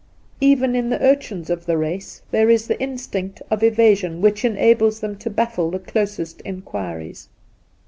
Even in the urchins of the race there is the instinct of evasion which enables them to baffle the closest inquiries.